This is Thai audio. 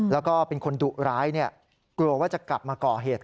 แล้วก็เป็นคนดุร้ายกลัวว่าจะกลับมาก่อเหตุ